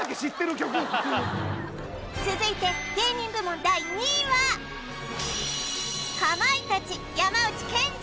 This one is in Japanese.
曲普通続いて芸人部門第２位はかまいたち山内健司